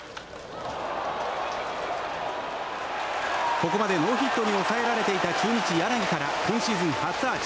ここまでノーヒットに抑えられていた中日、柳から今シーズン初アーチ。